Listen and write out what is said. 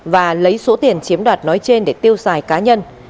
và lấy số tiền chiếm đoạt nói trên để tiêu xài cá nhân